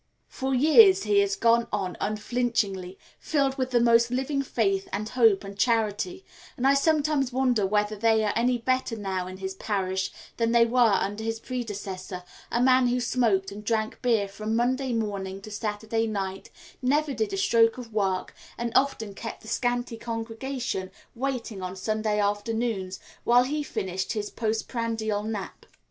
For years he has gone on unflinchingly, filled with the most living faith and hope and charity, and I sometimes wonder whether they are any better now in his parish than they were under his predecessor, a man who smoked and drank beer from Monday morning to Saturday night, never did a stroke of work, and often kept the scanty congregation waiting on Sunday afternoons while he finished his postprandial nap.